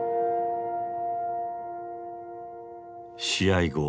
試合後